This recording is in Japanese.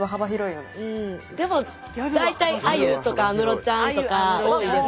でも大体ａｙｕとか安室ちゃんとか多いですね。